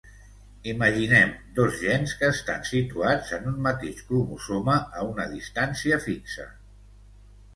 Imaginem dos gens que estan situats en un mateix cromosoma a una distància fixa.